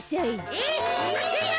えっふざけんな！